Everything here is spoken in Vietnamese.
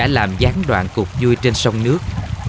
làm gián đoạn cuộc vui trên sông nước